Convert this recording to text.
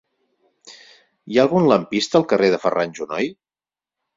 Hi ha algun lampista al carrer de Ferran Junoy?